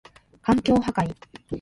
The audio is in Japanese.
環境破壊